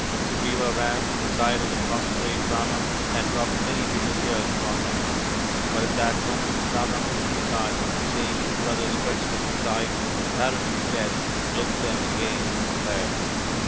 Sugriva ran to the side of the prostrate Rama and dropped many bitter tears upon him. But at that moment Rama opened his eyes, and seeing his brother stretched at his side, apparently dead, closed them again in despair.